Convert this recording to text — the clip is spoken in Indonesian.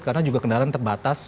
karena juga kendaraan terbatas